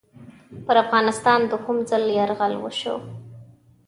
پر افغانستان دوهم ځل یرغل وشو.